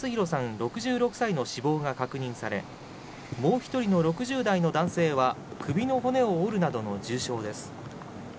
６６歳の死亡が確認され、もう１人の６０代の男性は首の骨を折るなどの重傷です。